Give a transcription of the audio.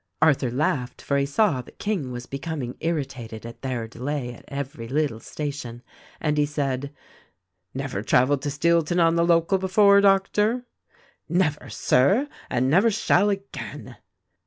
Arthur laughed, for he saw that King was becoming irritated at their delay at every little station, and he said, "Never travel to Steelton on the local before, Doctor?" "Never, Sir ! and never shall again."